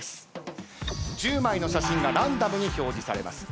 １０枚の写真がランダムに表示されます